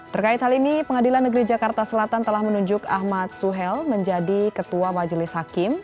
terkait hal ini pengadilan negeri jakarta selatan telah menunjuk ahmad suhel menjadi ketua majelis hakim